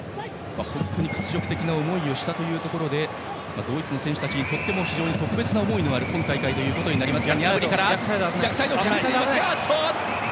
本当に屈辱的な思いをしたというところでドイツの選手たちにとっても非常に特別な思いのある今大会となります。